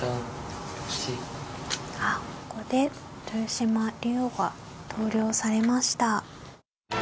あっ、ここで豊島竜王が投了されました。